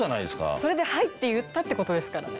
それで「はい」って言ったってことですからね。